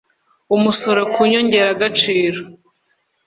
umusoro ku nyongeragaciro